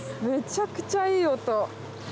めちゃくちゃいい音。